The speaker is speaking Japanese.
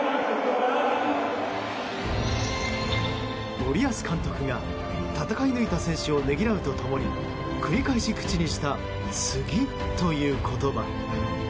森保監督が戦い抜いた選手をねぎらうと共に繰り返し口にした次という言葉。